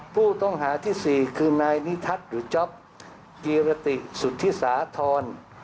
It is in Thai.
ผู้ต้องหาที่๔คือนายนิทัศน์หรือจ๊อปกิรติสุธิสาธร